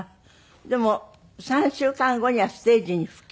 でも３週間後にはステージに復帰。